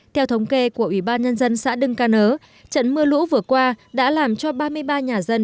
theo thống kê của ủy ban nhân dân xã đưng ca nớ trận mưa lũ vừa qua đã làm cho ba mươi ba nhà dân